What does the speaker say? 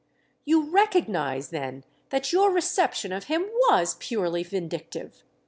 "You recognise then that your reception of him was purely vindictive!